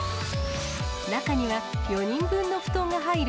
中には４人分の布団も入る